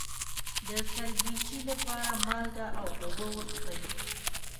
د سرګیچي لپاره مالګه او اوبه وڅښئ